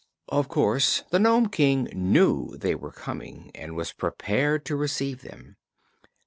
Of course the Nome King knew they were coming and was prepared to receive them.